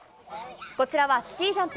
こちらはスキージャンプ。